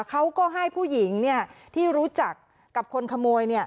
เขาก็ให้ผู้หญิงเนี่ยที่รู้จักกับคนขโมยเนี่ย